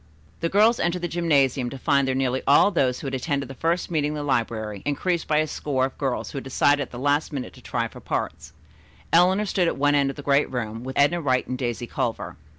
The girls entered the gymnasium to find there nearly all of those who had attended the first meeting in the library increased by about a score of girls who had decided at the last minute to try for parts. Eleanor stood at one end of the great room, with Edna Wright and Daisy Culver.